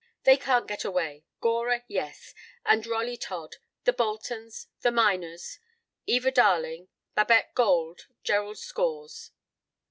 "They can't get away. Gora, yes; and Rolly Todd, the Boltons, the Minors, Eva Darling, Babette Gold, Gerald Scores."